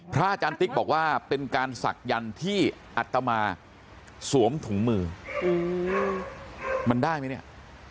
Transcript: อาจารย์ติ๊กบอกว่าเป็นการศักดิ์ที่อัตมาสวมถุงมือมันได้ไหมเนี่ย